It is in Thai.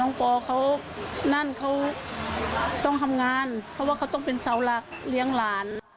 ปอเขานั่นเขาต้องทำงานเพราะว่าเขาต้องเป็นเสาหลักเลี้ยงหลาน